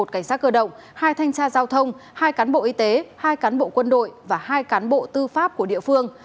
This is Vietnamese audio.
một cảnh sát cơ động hai thanh tra giao thông hai cán bộ y tế hai cán bộ quân đội và hai cán bộ tư pháp của địa phương